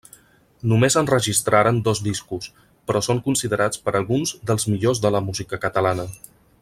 Només enregistraren dos discos però són considerats per alguns dels millors de la música catalana.